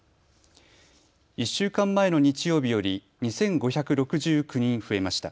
１週間前の日曜日より２５６９人増えました。